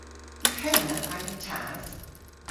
Yw henna agan tas?